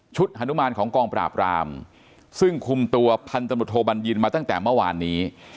ฮานุมานของกองปราบรามซึ่งคุมตัวพันตำรวจโทบัญญินมาตั้งแต่เมื่อวานนี้